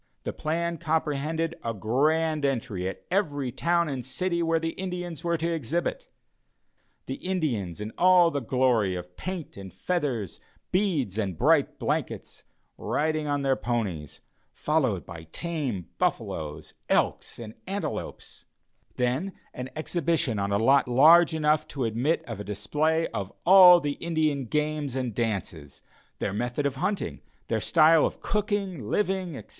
The plan comprehended a grand entry at every town and city where the Indians were to exhibit the Indians in all the glory of paint and feathers, beads and bright blankets, riding on their ponies, followed by tame buffaloes, elks and antelopes; then an exhibition on a lot large enough to admit of a display of all the Indian games and dances, their method of hunting, their style of cooking, living, etc.